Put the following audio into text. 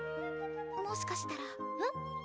もしかしたらえっ？